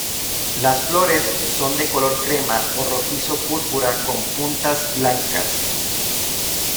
Las flores son de color crema o rojizo púrpura con puntas blancas.